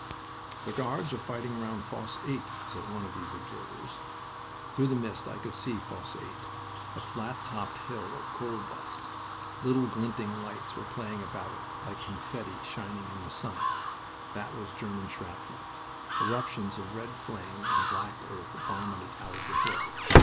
"The Guards are fighting round Fosse 8," said one of these observers. Through the mist I could see Fosse 8, a flat topped hill of coal dust. Little glinting lights were playing about it, like confetti shining in the sun. That was German shrapnel. Eruptions of red flame and black earth vomited out of the hill.